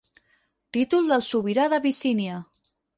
Títol del sobirà d'Abissínia.